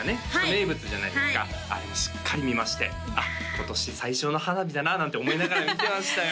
名物じゃないですかあれもしっかり見まして「今年最初の花火だな」なんて思いながら見てましたよ